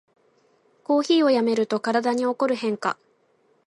コーヒーをやめると体に起こる変化